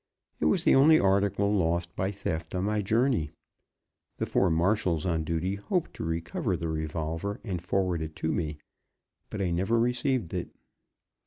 It was the only article lost by theft on my journey. The four marshals on duty hoped to recover the revolver, and forward it to me, but I never received it.